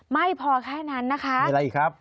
ไม่พอแค่นั้นนะคะมีอะไรอีกครับ